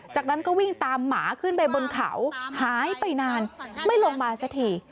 จากนั้นก็วิ่งตามหมาขึ้นไปบนเขาหายไปนานไม่ลงมาสักที